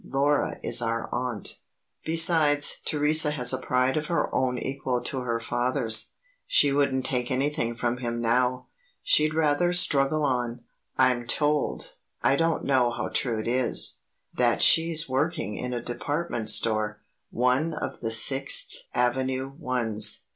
(Laura is our aunt.) "Besides, Theresa has a pride of her own quite equal to her father's. She wouldn't take anything from him now. She'd rather struggle on. I'm told I don't know how true it is that she's working in a department store; one of the Sixth Avenue ones.